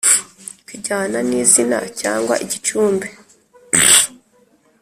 kijyana ni zina cyangwa igicumbi